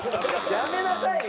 やめなさいよ。